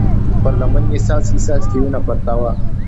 پر لمن يې څاڅکي څاڅکې وينه پرته وه.